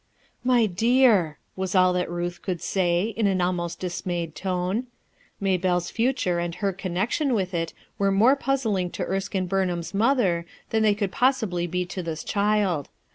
"My dear I " was all that Ruth could say, in an almost dismayed tone. Maybelle's future and her connection with it were more puzzling to Erskine Burnham's mother than they could possibly be to this child.